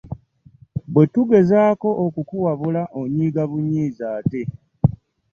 Bwe tugezaako okukuwabula onyiiga binyiizi ate.